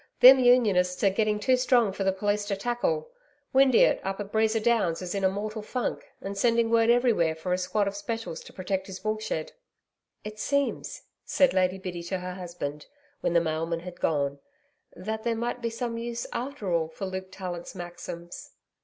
Them Unionists are getting too strong for the police to tackle. Windeatt up at Breeza Downs is in a mortal funk, and sending word everywhere for a squad of Specials to protect his woolshed.' 'It seems,' said Lady Biddy to her husband, when the mailman had gone, 'that there might be some use after all for Luke Tallant's Maxims.'